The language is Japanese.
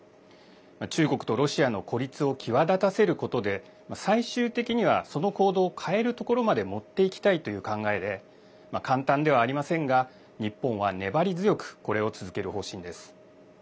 中国とロシアの孤立を際立たせることで最終的にはその行動を変えるところまで持っていきたいという考えで簡単ではありませんが日本は粘り強くこれを続ける方針です。